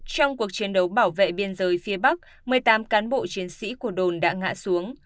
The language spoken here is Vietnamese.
trong cuộc chiến đấu bảo vệ biên giới phía bắc một mươi tám cán bộ chiến sĩ của đồn đã ngã xuống